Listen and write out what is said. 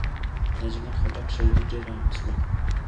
د اجمل خټک شاعري ډېر عامه شوه.